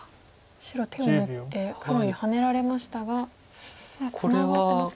白手を抜いて黒にハネられましたがまだツナがってますか？